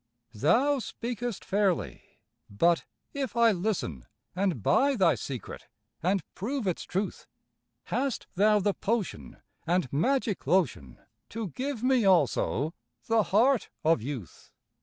Thou speakest fairly; but if I listen And buy thy secret, and prove its truth, Hast thou the potion and magic lotion To give me also the heart of youth?